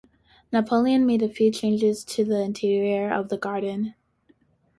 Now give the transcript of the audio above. Napoleon made few changes to the interior of the garden.